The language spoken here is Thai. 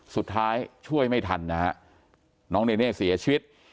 สุดท้ายช่วยไม่ทันน้องเนเน่เสียชีวิต